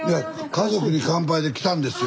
「家族に乾杯」で来たんですよ